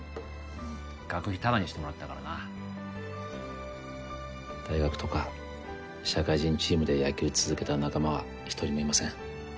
うん学費タダにしてもらったからな大学とか社会人チームで野球続けた仲間は一人もいません